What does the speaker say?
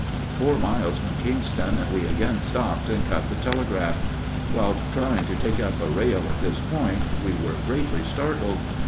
Four miles from Kingston we again stopped and cut the telegraph. While trying to take up a rail at this point we were greatly startled.